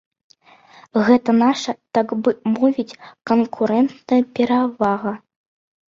Гэта наша, так бы мовіць, канкурэнтная перавага.